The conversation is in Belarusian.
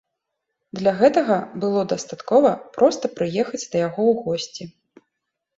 Для гэтага было дастаткова проста прыехаць да яго ў госці.